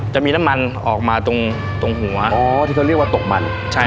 จะมีน้ำมันออกมาตรงหัวอ๋อที่เขาเรียกว่าตกมันใช่